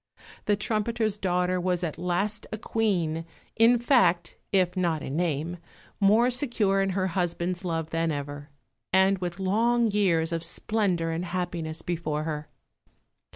The trumpeter's daughter was at last a Queen, in fact, if not in name, more secure in her husband's love than ever, and with long years of splendour and happiness before her.